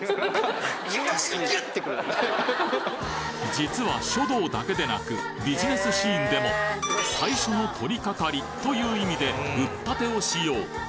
実は書道だけでなくビジネスシーンでも最初の取り掛かりという意味で「うったて」を使用